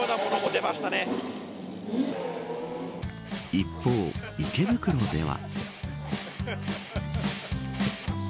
一方、池袋では。